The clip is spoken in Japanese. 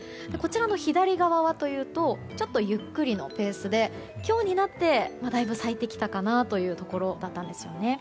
左側はというとちょっとゆっくりのペースで今日になってだいぶ咲いてきたかなというところでした。